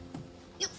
よっ。